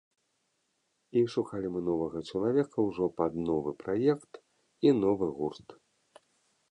І шукалі мы новага чалавека ўжо пад новы праект і новы гурт.